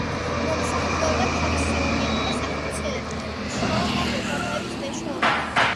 მომსახურება თავის საქმიანობას ახორციელებს უშუალოდ ამ ორგანოების მეშვეობით.